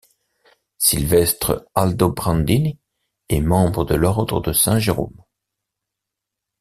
Silvestre Aldobrandini est membre de l'ordre de Saint-Jérôme.